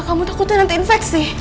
kamu takutnya nanti infeksi